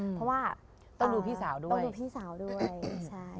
เพราะว่าต้องดูพี่สาวด้วย